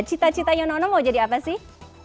cita citanya nono mau jadi apa sih